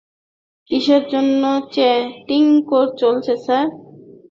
কিসের জন্য চেকিং চলছে, স্যার?